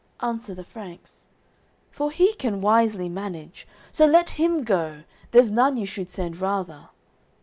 Answer the Franks: "For he can wisely manage; So let him go, there's none you should send rather."